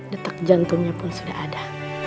detak jantungnya pun sudah ada